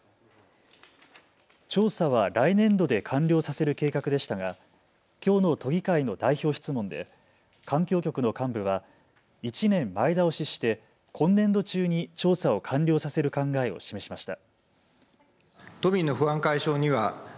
調査は来年度で完了させる計画でしたがきょうの都議会の代表質問で環境局の幹部は１年前倒しして今年度中に調査を完了させる考えを示しました。